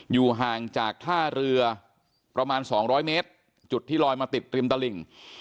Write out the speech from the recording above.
อยู่ห่างจากท่าเรือประมาณ๒๐๐เมตรจุดที่ลอยมาติดริมตลิ่ง